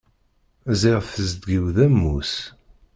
Ziɣ tezdeg-iw d ammus.